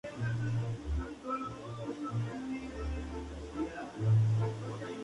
Se han hecho adaptaciones al cine.